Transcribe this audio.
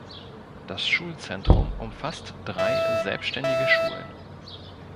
Das Schulzentrum umfasst drei selbständige Schulen